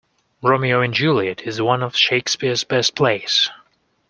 Romeo and Juliet is one of Shakespeare’s best plays